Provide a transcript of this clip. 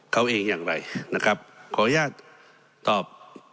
เขาเองอย่างไรนะครับขออนุญาตตอบ